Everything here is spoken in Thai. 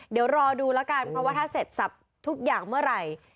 เดี๋ยวรอดูแล้วกันเพราะว่าถ้าเสร็จสับทุกอย่างเมื่อไหร่